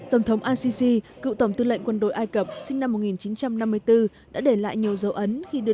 tổng thống assisi cựu tổng tư lệnh quân đội ai cập sinh năm một nghìn chín trăm năm mươi bốn đã để lại nhiều dấu ấn khi đưa